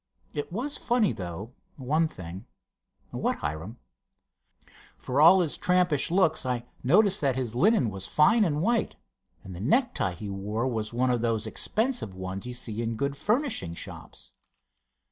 It was funny, though, one thing." "What, Hiram?" "For all his trampish looks, I noticed that his linen was fine and white, and the necktie he wore was one of those expensive ones you see in good furnishing shops."